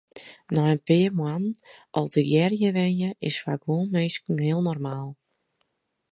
Nei in pear moannen al tegearre wenje is foar guon minsken heel normaal.